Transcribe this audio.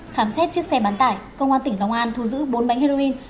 khám xét chiếc xe bán tải công an tỉnh long an thu giữ bốn bánh heroin